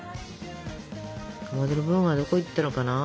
かまどの分はどこいったのかな？